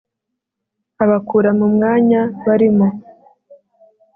abakura mu mwanya barimo.